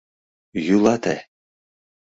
— Йӱлате!